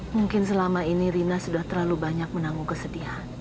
mungkin selama ini rina sudah terlalu banyak menanggung kesedihan